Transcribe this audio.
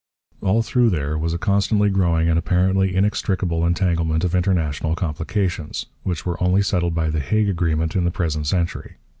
All through there was a constantly growing and apparently inextricable entanglement of international complications, which were only settled by The Hague agreement in the present century.